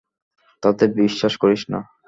তাদের বিশ্বাস করিস না।